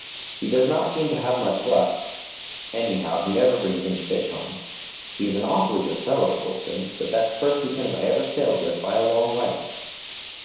He does not seem to have much luck; anyhow, he never brings any fish home. He is an awfully good fellow, Gulston; the best first lieutenant I ever sailed with by a long way."